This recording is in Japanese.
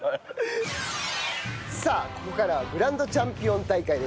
さあここからはグランドチャンピオン大会です。